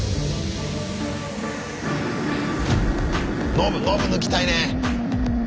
ノブノブ抜きたいね。